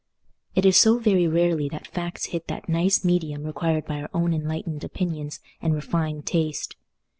It is so very rarely that facts hit that nice medium required by our own enlightened opinions and refined taste!